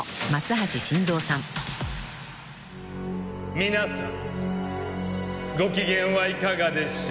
「皆さんご機嫌はいかがでしょうか？」